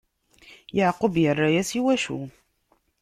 Yeɛqub irra-yas: I wacu?